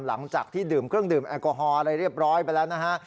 หลังจากที่ดื่มเครื่องดื่มแอลกอฮอลอะไรเรียบร้อยไปแล้วนะฮะ